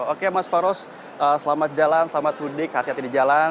oke mas faros selamat jalan selamat mudik hati hati di jalan